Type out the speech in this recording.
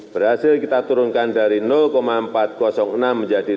berhasil kita turunkan dari empat ratus enam menjadi tiga ratus delapan puluh sembilan